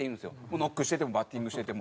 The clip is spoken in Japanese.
ノックしててもバッティングしてても。